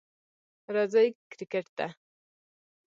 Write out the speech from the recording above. راځئ کریکټ ته!